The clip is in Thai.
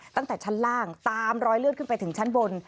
ตั้งแต่ชั้นล่างตามรอยเลือดขึ้นไปถึงชั้นบน